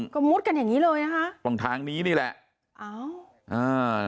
ก็มุดกันอย่างงี้เลยนะคะตรงทางนี้นี่แหละอ้าวอ่า